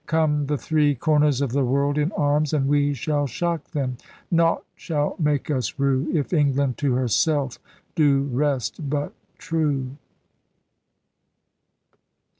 Come the three corners of the world in arms And we shall shock them. Nought shall make us rue, If England to herself do rest but true.